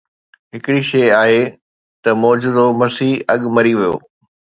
هڪڙي شيء آهي ته معجزو مسيح اڳ مري ويو